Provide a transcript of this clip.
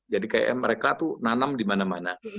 jadi kayak mereka tuh nanam di mana mana